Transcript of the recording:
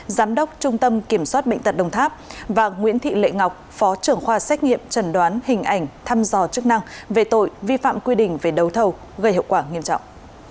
giám đốc trung tâm kiểm soát bệnh tật đồng tháp và nguyễn thị lệ ngọc phó trưởng khoa xét nghiệm trần đoán hình ảnh thăm dò chức năng về tội vi phạm quy định về đấu thầu gây hậu quả nghiêm trọng